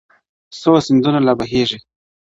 • څو سيندونه لا بهيږي -